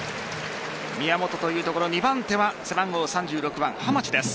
宮本というところ、２番手は背番号３６番・浜地です。